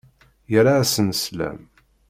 Yerra-asen slam.